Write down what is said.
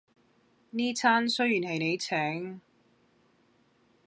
呢餐雖然係你請